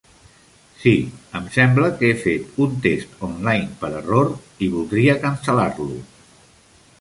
Sí, em sembla que he fet un test online per error i voldria cancel·lar-lo.